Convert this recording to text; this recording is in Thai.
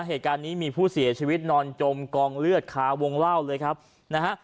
เหตุการณ์นี้มีผู้เสียชีวิตนอนจมกองเลือดคาวงเล่าเลยครับนะฮะ